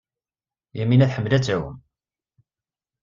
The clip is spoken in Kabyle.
Yamina tḥemmel ad tɛum.